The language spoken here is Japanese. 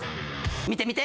見て見て！